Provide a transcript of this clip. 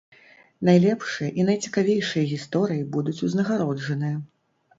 Найлепшыя і найцікавейшыя гісторыі будуць узнагароджаныя!